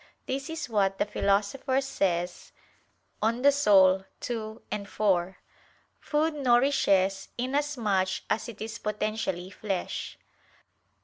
This is what the Philosopher says (De Anima ii, 4): "Food nourishes inasmuch as it is potentially flesh."